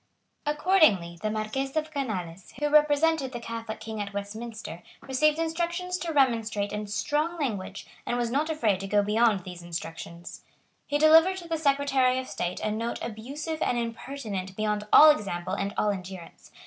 Accordingly, the Marquess of Canales, who represented the Catholic King at Westminster, received instructions to remonstrate in strong language, and was not afraid to go beyond those instructions. He delivered to the Secretary of State a note abusive and impertinent beyond all example and all endurance.